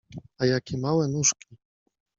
— A jakie małe nóżki!